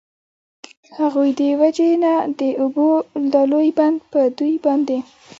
د هغوی د وجي نه د اوبو دا لوی بند په دوی باندي